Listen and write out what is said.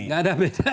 enggak ada bedanya